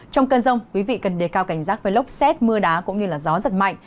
trong cơn rông quý vị cần đề cao cảnh giác với lốc xét mưa đá cũng như gió giật mạnh